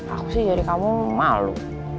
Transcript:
aku sih jadi kamu malu